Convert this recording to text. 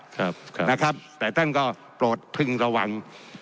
ครับครับนะครับแต่ท่านก็โปรดพึงระวัง